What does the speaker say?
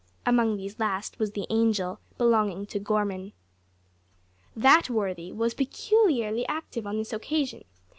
Among these last was the "Angel," belonging to Gorman. That worthy was peculiarly active on this occasion.